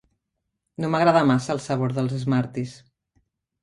No m'agrada massa el sabor dels Smarties.